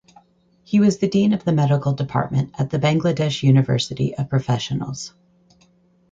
He was the dean of the medical department at the Bangladesh University of Professionals.